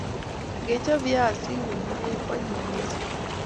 Ngechob viasik komie ko anyiny missing